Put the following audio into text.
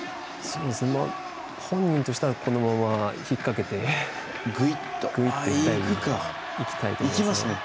本人としてはこのまま引っ掛けてグイッといきたいですね。